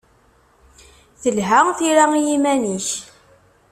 Telha tira i yiman-ik.